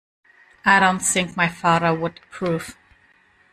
I don’t think my father would approve